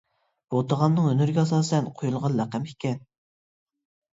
بۇ تاغامنىڭ ھۈنىرىگە ئاساسەن قويۇلغان لەقەم ئىكەن.